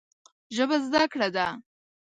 ژبه زده کړه ده